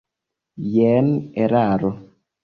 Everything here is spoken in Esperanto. Jen eraro.